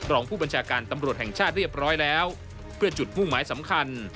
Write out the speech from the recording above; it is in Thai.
รองผู้บัญชาการตำรวจแห่งชาติเรียบร้อยแล้วเพื่อจุดมุ่งหมายสำคัญ